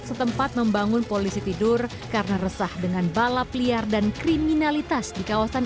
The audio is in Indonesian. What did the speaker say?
setempat membangun polisi tidur karena resah dengan balap liar dan kriminalitas di kawasan